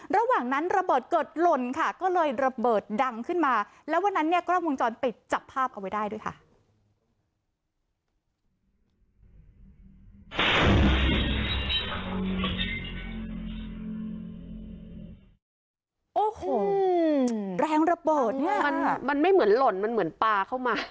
แรงระเบิดเนี้ยมันมันไม่เหมือนหล่นมันเหมือนปลาเข้ามา